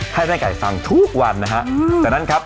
ให้แม่ไก่ฟังทุกวันนะฮะจากนั้นครับ